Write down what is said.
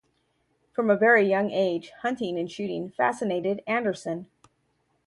From a very young age, hunting and shooting fascinated Anderson.